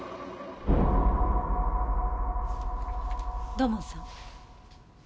土門さん。